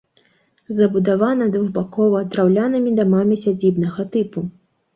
Забудавана двухбакова, драўлянымі дамамі сядзібнага тыпу.